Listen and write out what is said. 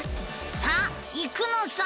さあ行くのさ！